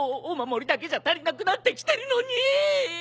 お守りだけじゃ足りなくなってきてるのに！